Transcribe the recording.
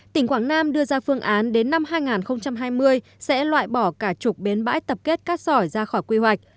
tỉnh quảng nam đưa ra phương án đến năm hai nghìn hai mươi sẽ loại bỏ cả chục bến bãi tập kết cát sỏi ra khỏi quy hoạch